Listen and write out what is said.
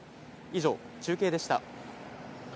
以上、中継でした。